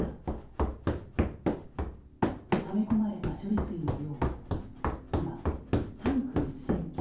ため込まれた処理水の量は今タンク１，０００基